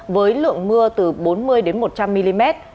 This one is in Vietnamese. với lượng mưa từ bốn mươi một trăm linh mm